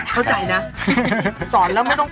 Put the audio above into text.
คุณคะไม่ได้ปิ้งลูกชิ้นค่ะ